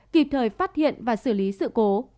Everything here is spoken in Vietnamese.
kịp thời phát hiện và xử lý sự cố